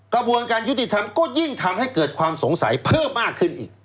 กระบวนการยุติธรรมก็ยิ่งทำให้เกิดความสงสัยเพิ่มมากขึ้นอีก